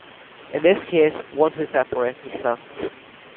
In this case, "one who separates itself".